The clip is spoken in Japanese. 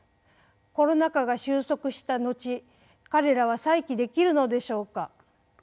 コロナ禍が収束した後彼らは再起できるのでしょうか？